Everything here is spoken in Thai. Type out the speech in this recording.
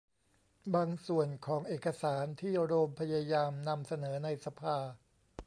บางส่วนของเอกสารที่โรมพยายามนำเสนอในสภา